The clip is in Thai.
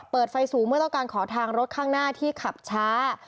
เปิดไฟสูงเมื่อต้องการขอทางรถข้างหน้าที่ขับช้า